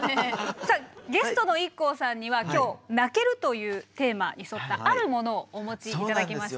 さあゲストのＩＫＫＯさんには今日「泣ける」というテーマに沿ったある物をお持ち頂きました。